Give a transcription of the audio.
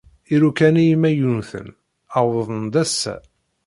Iruka-nni imaynuten wwḍen-d ass-a.